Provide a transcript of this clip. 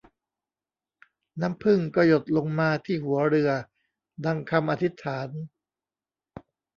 น้ำผึ้งก็หยดลงมาที่หัวเรือดังคำอธิษฐาน